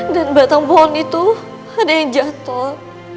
dan batang pohon itu ada yang jatuh